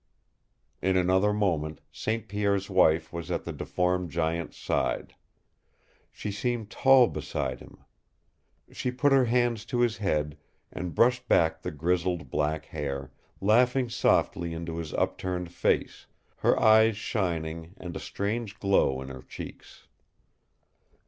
In another moment St. Pierre's wife was at the deformed giant's side. She seemed tall beside him. She put her hands to his head and brushed back the grizzled black hair, laughing softly into his upturned face, her eyes shining and a strange glow in her cheeks.